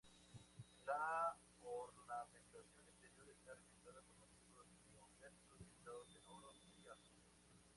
La ornamentación interior está realizada con motivos neoclásicos pintados en oros y azules.